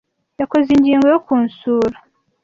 Yakoze ingingo yo kunsura.